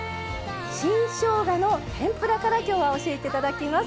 新しょうがの天ぷらから今日は教えていただきます。